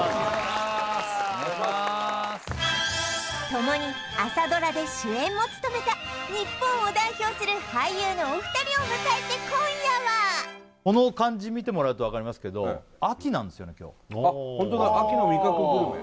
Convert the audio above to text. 共に朝ドラで主演も務めた日本を代表する俳優のお二人を迎えて今夜はこの感じ見てもらうと分かりますけどおおホントだ「秋の味覚グルメ」